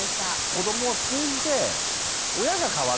子どもを通じて親が変わっていく。